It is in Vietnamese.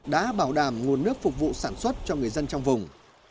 đã bảo đảm nguồn nước phục vụ sản xuất cho người dân trong vùng